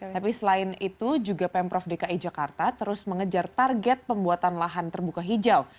tapi selain itu juga pemprov dki jakarta terus mengejar target pembuatan lahan terbuka hijau